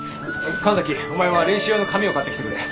神崎お前は練習用の紙を買ってきてくれ。